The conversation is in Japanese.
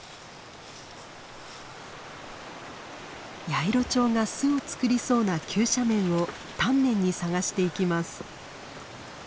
ヤイロチョウが巣を作りそうな急斜面を丹念に探していきます。